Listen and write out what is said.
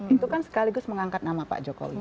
itu kan sekaligus mengangkat nama pak jokowi